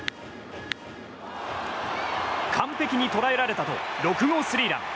完璧に捉えられたと６号スリーラン。